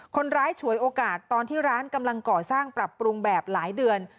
ฉวยโอกาสตอนที่ร้านกำลังก่อสร้างปรับปรุงแบบหลายเดือน